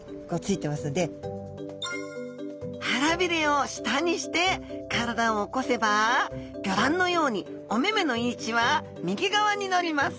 腹びれを下にして体を起こせばギョ覧のようにお目々の位置は右側になります。